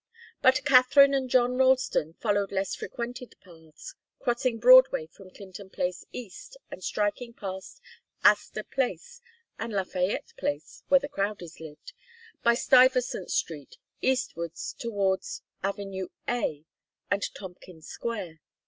But Katharine and John Ralston followed less frequented paths, crossing Broadway from Clinton Place east, and striking past Astor Place and Lafayette Place where the Crowdies lived by Stuyvesant Street eastwards to Avenue A and Tompkins Square.